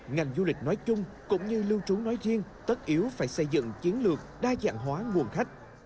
ngành du lịch nói chung cũng như lưu trú nói riêng tất yếu phải xây dựng chiến lược đa dạng hóa nguồn khách